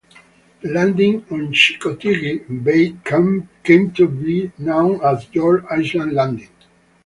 The landing on Chincoteague Bay came to be known as George Island Landing.